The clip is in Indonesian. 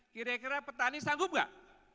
kira kira petani sanggup gak